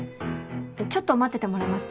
ちょっと待っててもらえますか。